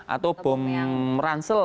atau bom yang ransel